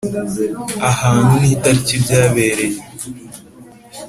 Ahantu n itariki byabereye